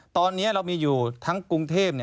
ตอนนี้เรามีอยู่ทั้งกรุงเทพ